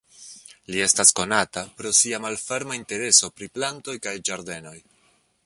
Li estas konata pro sia malferma intereso pri plantoj kaj ĝardenoj.